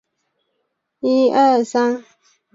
百慕达三角。